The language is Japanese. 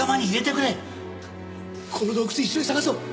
この洞窟一緒に探そう！